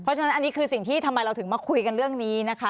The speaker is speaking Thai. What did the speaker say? เพราะฉะนั้นอันนี้คือสิ่งที่ทำไมเราถึงมาคุยกันเรื่องนี้นะคะ